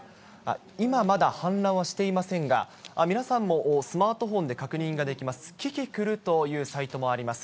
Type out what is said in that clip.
今まだ、氾濫はしていませんが、皆さんもスマートフォンで確認ができます、キキクルというサイトもあります。